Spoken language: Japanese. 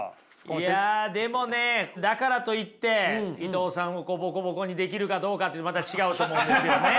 いやでもねだからといって伊藤さんをボコボコにできるかどうかってまた違うと思うんですよね。